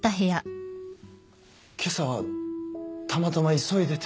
けさはたまたま急いでて。